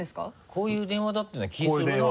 こういう電話だったような気がするな。